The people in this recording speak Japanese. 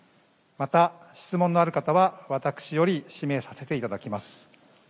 また、質問のある方は私より指名させていただきます。